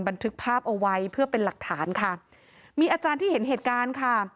บันทึกภาพเอาไว้เพื่อเป็นหลักฐานค่ะมีอาจารย์ที่เห็นเหตุการณ์ค่ะ